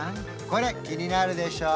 これ気になるでしょ？